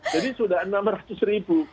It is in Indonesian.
jadi sudah enam ratus ribu